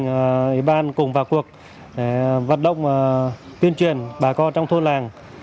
các ủy ban cùng vào cuộc vận động tuyên truyền bà con trong thôn làng